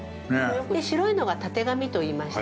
白いのが、タテガミといいまして。